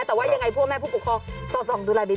แต่ว่ายังไงพ่อแม่ผู้ปกครองสอดส่องดูแลดี